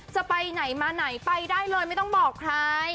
จะไปไหนมาไหนไปได้เลยไม่ต้องบอกใคร